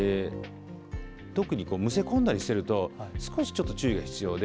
特に、むせ込んだりしてると少しちょっと注意が必要で。